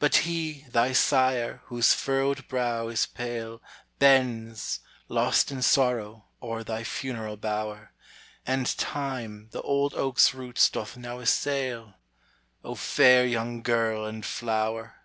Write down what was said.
But he, thy sire, whose furrowed brow is pale, Bends, lost in sorrow, o'er thy funeral bower, And Time the old oak's roots doth now assail, O fair young girl and flower!